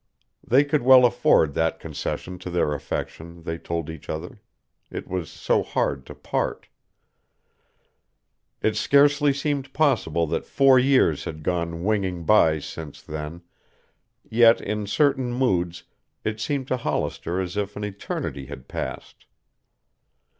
They could well afford that concession to their affection, they told each other. It was so hard to part. It scarcely seemed possible that four years had gone winging by since then, yet in certain moods it seemed to Hollister as if an eternity had passed.